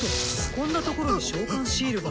こんなところに召喚シールが。